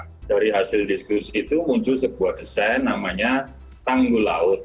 nah dari hasil diskusi itu muncul sebuah desain namanya tanggul laut